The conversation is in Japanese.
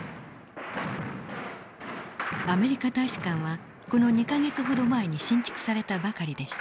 アメリカ大使館はこの２か月ほど前に新築されたばかりでした。